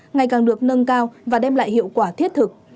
ngày càng được nâng cao và đem lại hiệu quả thiết thực